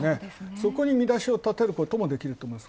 そこに見出しをたてることもできると思います。